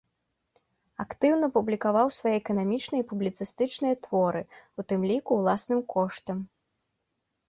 Актыўна публікаваў свае эканамічныя і публіцыстычныя творы, у тым ліку ўласным коштам.